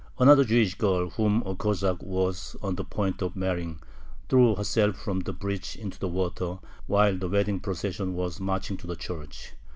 Another Jewish girl, whom a Cossack was on the point of marrying, threw herself from the bridge into the water, while the wedding procession was marching to the church.